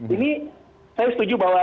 ini saya setuju bahwa